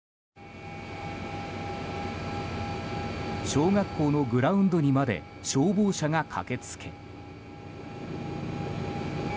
小学校のグラウンドにまで消防車が駆け付け。